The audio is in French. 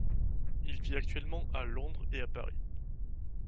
Il vit actuellement à Londres et à Paris.